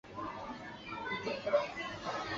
西安河畔厄盖维尔。